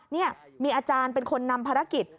นี่มีอาจารย์เป็นคนนำภารกิจ